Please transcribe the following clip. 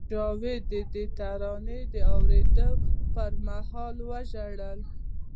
جاوید د دې ترانې د اورېدو پر مهال وژړل